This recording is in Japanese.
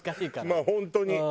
まあ本当に。